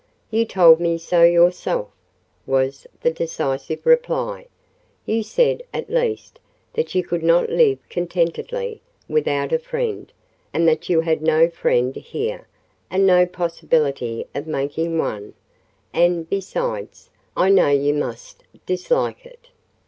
"You told me so yourself," was the decisive reply. "You said, at least, that you could not live contentedly, without a friend; and that you had no friend here, and no possibility of making one—and, besides, I know you must dislike it."